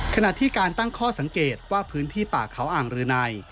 ขณะที่การตั้งข้อสังเกตว่าพื้นที่ป่าเขาอ่างรืนัย